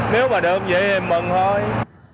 nếu mà đông dễ em mừng thôi